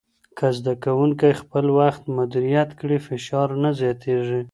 که زده کوونکي خپل وخت مدیریت کړي، فشار نه زیاتېږي.